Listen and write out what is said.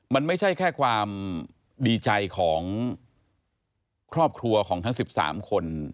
มันไม่ใช่แค่ความดีใจของครอบครัวของทั้ง๑๓คน